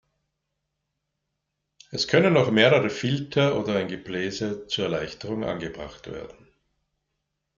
Es können auch mehrere Filter oder ein Gebläse zur Erleichterung angebracht werden.